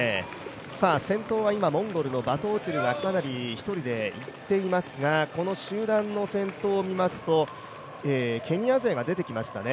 先頭は今モンゴルのバトオチルがかなりいっていますがこの集団の先頭を見ますと、ケニア勢が出てきましたね。